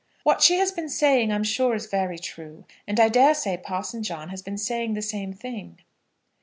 "What she has been saying I am sure is very true; and I dare say Parson John has been saying the same thing."